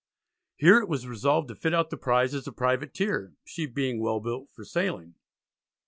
Here it was resolved to fit out the prize as a privateer, "she being well built for sailing."